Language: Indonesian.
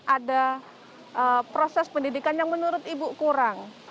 ada proses pendidikan yang menurut ibu kurang